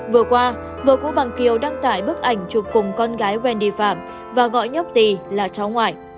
vừa qua vợ của bằng kiều đăng tải bức ảnh chụp cùng con gái wendy phạm và gọi nhóc tì là cháu ngoại